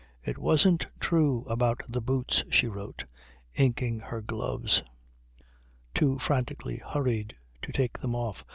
"It wasn't true about the boots," she wrote, inking her gloves, too frantically hurried to take them off.